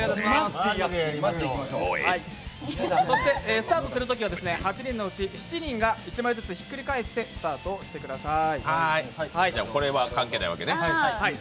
スタートするときは、８人のうち７人が１枚ずつひっくり返してスタートしてください。